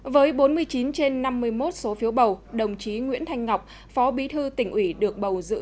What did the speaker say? với bốn mươi chín trên năm mươi một số phiếu bầu đồng chí nguyễn thanh ngọc phó bí thư tỉnh ủy được bầu giữ